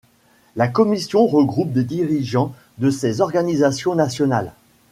La commission regroupe les dirigeants de ces organisations nationales.